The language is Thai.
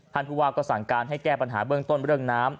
ผู้ว่าก็สั่งการให้แก้ปัญหาเบื้องต้นเรื่องน้ำ